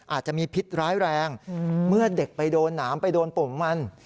อาจจะมีพิษร้ายแรงเมื่อเด็กไปโดนหนามไปโดนปุ่มมัน